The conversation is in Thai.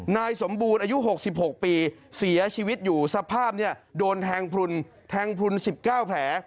นายสมบูรณ์อายุ๖๖ปีเสียชีวิตอยู่สภาพโดนแทงพลุน๑๙แผล